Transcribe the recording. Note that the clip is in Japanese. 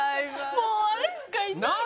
もうあれしかいない。